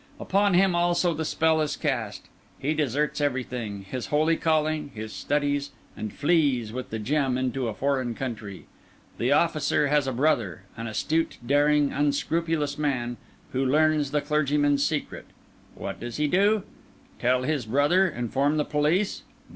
Upon him also the spell is cast; he deserts everything, his holy calling, his studies, and flees with the gem into a foreign country. The officer has a brother, an astute, daring, unscrupulous man, who learns the clergyman's secret. What does he do? Tell his brother, inform the police?